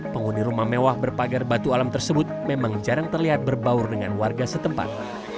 penghuni rumah mewah berpagar batu alam tersebut memang jarang terlihat berbaur dengan warga setempat